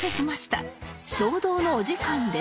衝動のお時間です